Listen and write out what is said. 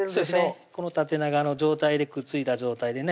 この縦長の状態でくっついた状態でね